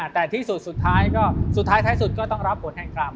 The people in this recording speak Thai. แต่ที่สุดสุดท้ายก็สุดท้ายท้ายสุดก็ต้องรับผลแห่งกรรม